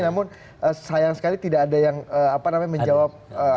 namun sayang sekali tidak ada yang menjawab